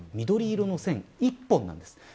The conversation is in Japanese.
緑色の線１本なんです。